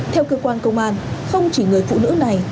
theo cơ quan công an không chỉ người phụ nữ này